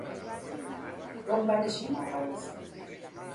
Quan va néixer Margaluz?